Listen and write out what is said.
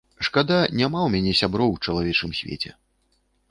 Шкада, няма ў мяне сяброў у чалавечым свеце!